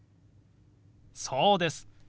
そうです。